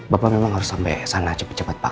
bapak memang harus sampe sana cepet cepet pak